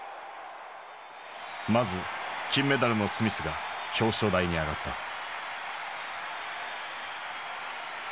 まず金メダルのスミスが表彰台に上がった。